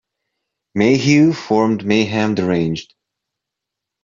Mayhew formed Mayhem Deranged.